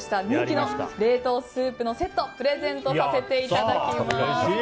人気の冷凍スープのセットプレゼントさせていただきます。